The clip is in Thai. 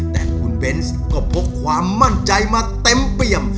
แต่คุณเบนส์ก็พกความมั่นใจมาเต็มเปี่ยม